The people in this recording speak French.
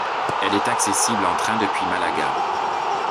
Elle est accessible en train depuis Malaga.